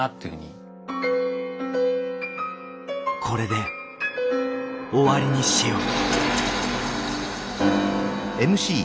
これで終わりにしよう。